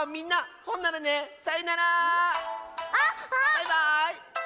バイバーイ！